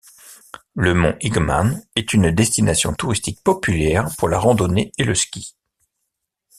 Le mont Igman est une destination touristique populaire pour la randonnée et le ski.